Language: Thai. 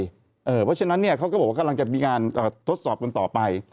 เพราะฉะนั้นเขาก็บอกว่ากำลังจะมีการทดสอบกันต่อไป